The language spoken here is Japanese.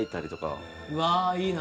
うわーいいな！